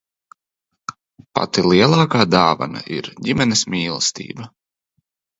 Pati lielākā dāvana ir ģimenes mīlestība.